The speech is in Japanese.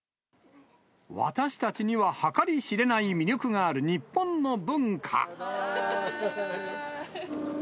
私たちには計り知れない魅力がある日本の文化。